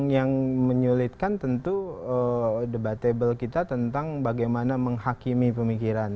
yang menyulitkan tentu debatable kita tentang bagaimana menghakimi pemikiran